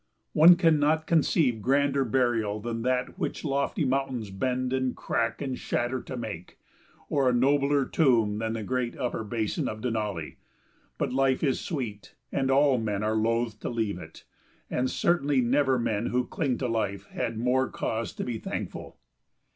One cannot conceive grander burial than that which lofty mountains bend and crack and shatter to make, or a nobler tomb than the great upper basin of Denali; but life is sweet and all men are loath to leave it, and certainly never men who cling to life had more cause to be thankful.